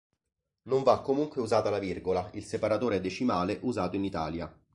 Non va comunque usata la virgola, il separatore decimale usato in Italia.